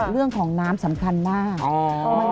เรื่องของน้ำสำคัญมาก